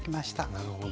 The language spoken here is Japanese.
なるほど。